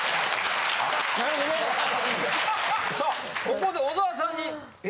さあここで小沢さんにえ？